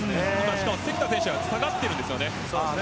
しかも関田選手が下がっているんですね。